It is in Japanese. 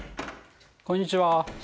こんにちは。